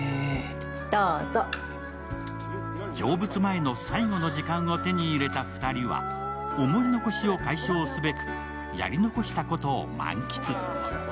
成仏前の最後の時間を手に入れた２人は思い残しを解消すべく、やり残したことを満喫。